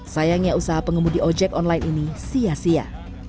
sayangnya usaha pengemudi ojek online ini sia sia